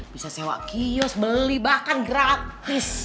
bisa sewa kios beli bahkan gratis